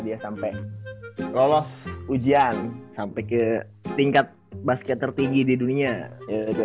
lu kalo udah mau ke gua kasih tau cek